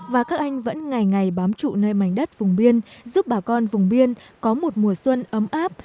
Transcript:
và các anh vẫn ngày ngày bám trụ nơi mảnh đất vùng biên giúp bà con vùng biên có một mùa xuân ấm áp